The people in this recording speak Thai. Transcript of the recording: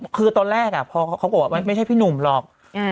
คือตอนแรกพอเขาบอกว่ามันไม่ใช่พี่หนุ่มหรอก